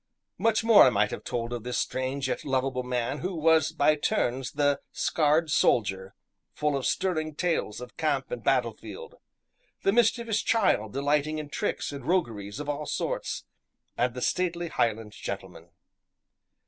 Much more I might have told of this strange yet lovable man who was by turns the scarred soldier, full of stirring tales of camp and battlefield; the mischievous child delighting in tricks and rogueries of all sorts; and the stately Hieland gentleman.